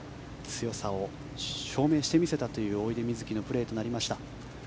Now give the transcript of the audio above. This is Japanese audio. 強さを証明して見せたという大出瑞月のプレーとなりました。